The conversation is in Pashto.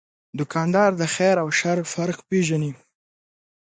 دوکاندار د خیر او شر فرق پېژني.